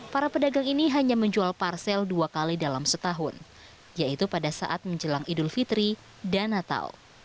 para pedagang ini hanya menjual parsel dua kali dalam setahun yaitu pada saat menjelang idul fitri dan natal